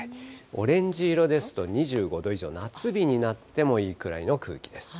オレンジ色ですと２５度以上、夏日になってもいいくらいの空気です。